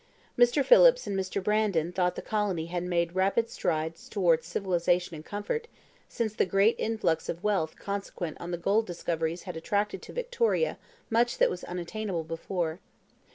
Mr. Phillips and Mr. Brandon thought the colony had made rapid strides towards civilization and comfort since the great influx of wealth consequent on the gold discoveries had attracted to Victoria much that was unattainable before.